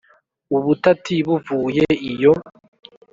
ubutati buvuye iyo.